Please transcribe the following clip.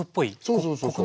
そうそうそうそう。